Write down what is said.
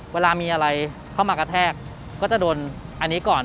เวลามีอะไรเข้ามากระแทกก็จะโดนอันนี้ก่อน